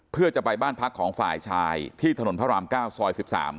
เพื่อจะไปบ้านพักของฝ่ายชายที่ถนนพระราม๙ซอย๑๓